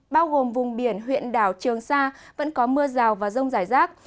bao gồm vùng biển huyện đảo trường sa vẫn có mưa rào và rông rải rác